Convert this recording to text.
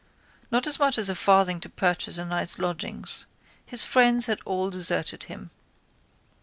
Not as much as a farthing to purchase a night's lodgings. His friends had all deserted him.